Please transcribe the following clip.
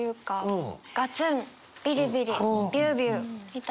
「ガツン」「ビリビリ」「ビュービュー」みたいな。